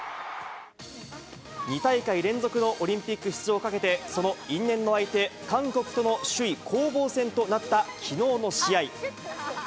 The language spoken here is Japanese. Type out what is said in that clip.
２大会連続のオリンピック出場をかけて、その因縁の相手、韓国との首位攻防戦となった、きのうの試合。